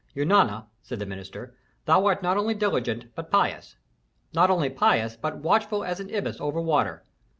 "Eunana," said the minister, "thou art not only diligent, but pious; not only pious, but watchful as an ibis over water.